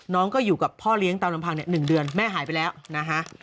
น้องก็อยู่กับพ่อเลี้ยงตามลำพัง๑เดือนแม่หายไปแล้วนะฮะ